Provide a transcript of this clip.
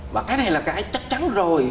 và cái này là cái chắc chắn rồi